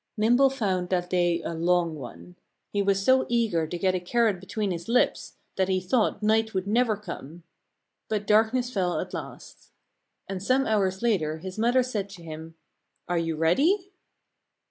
Nimble found that day a long one. He was so eager to get a carrot between his lips that he thought night would never come. But darkness fell at last. And some hours later his mother said to him, "Are you ready?"